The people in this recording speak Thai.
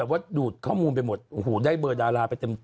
แต่ว่าดูดข้อมูลไปหมดโอ้โหได้เบอร์ดาราไปเต็ม